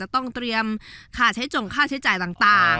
ต้องเตรียมค่าใช้จงค่าใช้จ่ายต่าง